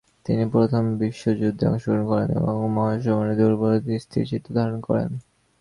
তিনি প্রথম বিশ্বযুদ্ধে অংশগ্রহণ করেন এবং মহাসমরের দুর্লভ স্থিরচিত্র ধারণ করেন।